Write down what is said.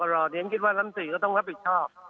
ฉะนั้นคิดว่ารัฐมนตรีก็ต้องรับผิดชอบ